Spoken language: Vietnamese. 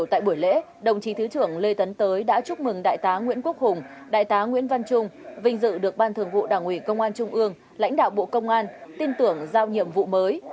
tại buổi lễ đồng chí thứ trưởng lê tấn tới đã chúc mừng đại tá nguyễn quốc hùng đại tá nguyễn văn trung vinh dự được ban thường vụ đảng ủy công an trung ương lãnh đạo bộ công an tin tưởng giao nhiệm vụ mới